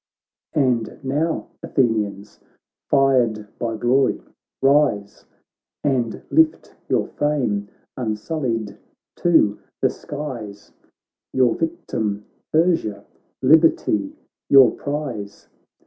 And now, Athenians! fired by glory, rise And lift your fame unsullied to the skies, Your victim Persia, liberty your prize.